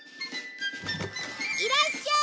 いらっしゃーい！